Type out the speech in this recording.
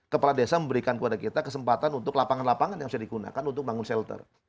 kepala desa memberikan kepada kita kesempatan untuk lapangan lapangan yang bisa digunakan untuk bangun shelter